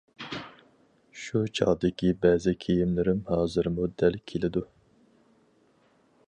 شۇ چاغدىكى بەزى كىيىملىرىم ھازىرمۇ دەل كېلىدۇ.